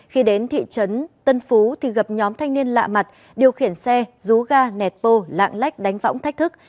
khi đến thị trấn tân phú thì gặp nhóm thanh niên lạ mặt điều khiển xe rú ga nẹt bô lạng lách đánh võng thách thức